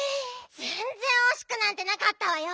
ぜんぜんおしくなんてなかったわよ。